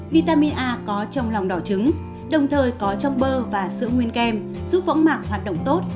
vitamin a có trong lòng đỏ trứng đồng thời có trong bơ và sữa nguyên kem giúp võng mạc hoạt động tốt